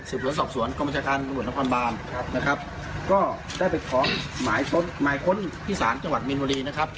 สื่อผลสอบสวนกรมจากการตำรวจนครบาลได้เป็นของหมายค้นที่ศาลจังหวัดมีนวรี